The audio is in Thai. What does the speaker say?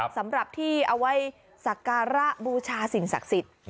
สำหรับที่เอาไว้สักการะบูชาสิ่งศักดิ์สิทธิ์